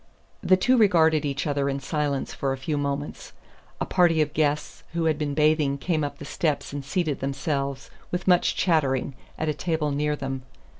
The two regarded each other in silence for a few moments. A party of guests who had been bathing came up the steps and seated themselves, with much chattering, at a table near them.